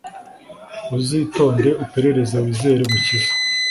uzitonde uperereze wizere umukiza